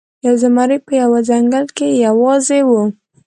یو زمری په یوه ځنګل کې یوازې و.